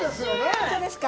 本当ですか。